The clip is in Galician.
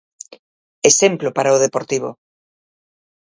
Exemplo para o Deportivo.